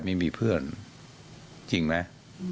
ไม่มีเพื่อนจริงไหม